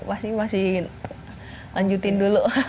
pasti masih lanjutin dulu